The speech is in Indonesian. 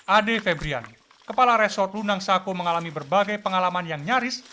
ade febrian kepala resort lunang sako mengalami berbagai pengalaman yang nyaris